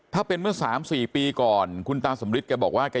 ถ้าเป็นเมื่อ๓๔ปีก่อนคุณตาสมฤทธิแกบอกว่าแก